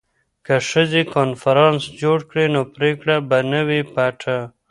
که ښځې کنفرانس جوړ کړي نو پریکړه به نه وي پټه.